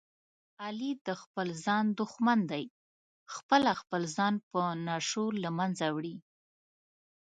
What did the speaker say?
علي د خپل ځان دښمن دی، خپله خپل ځان په نشو له منځه وړي.